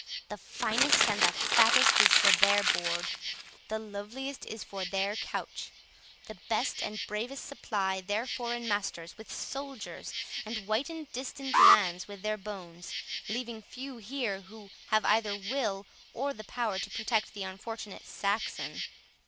The finest and the fattest is for their board; the loveliest is for their couch; the best and bravest supply their foreign masters with soldiers, and whiten distant lands with their bones, leaving few here who have either will or the power to protect the unfortunate Saxon.